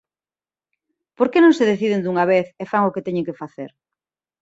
Por que non se deciden dunha vez e fan o que teñan que facer?